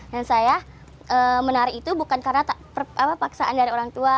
dan saya menari itu bukan karena paksaan dari orang tua